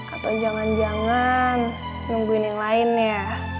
atau jangan jangan nungguin yang lain ya